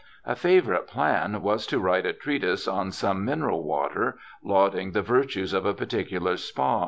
A favourite plan was to write a treatise on some mineral water, lauding the virtues of a particular spa.